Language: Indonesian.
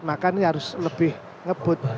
makanya harus lebih ngebut